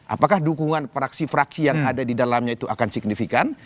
apakah dukungan fraksi fraksi yang ada di dalamnya itu akan signifikan